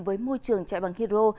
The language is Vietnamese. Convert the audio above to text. với môi trường chạy bằng hydro